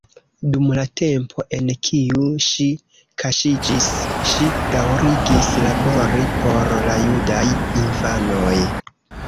Dum la tempo en kiu ŝi kaŝiĝis, ŝi daŭrigis labori por la judaj infanoj.